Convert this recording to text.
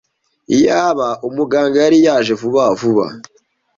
Iyaba umuganga yari yaje vuba vuba.